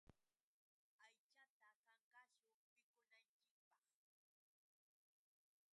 Aychata kankashun mikunanchikpaq.